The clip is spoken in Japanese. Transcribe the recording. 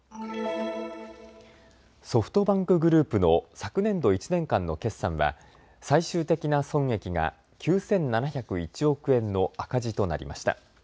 ソフトバンクグループの昨年度１年間の決算は最終的な損益が９７０１億円の赤字となりました。